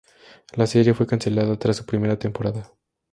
La serie fue cancelada tras su primera temporada.